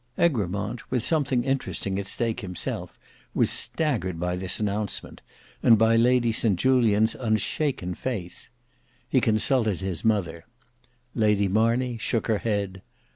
Egremont, with something interesting at stake himself, was staggered by this announcement, and by Lady St Julians' unshaken faith. He consulted his mother: Lady Marney shook her head.